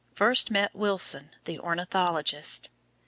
First met Wilson, the ornithologist.